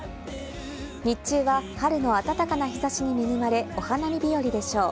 日中は春の暖かな日差しに恵まれ、お花見日和でしょう。